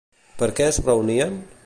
Per què es reunien?